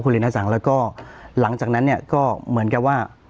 รินสังแล้วก็หลังจากนั้นเนี่ยก็เหมือนกับว่า